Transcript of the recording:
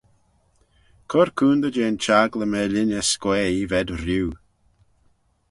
Cur coontey jeh'n çhaglym er-linney s'quaaee v'ayd rieau.